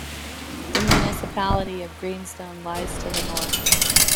The municipality of Greenstone lies to the north.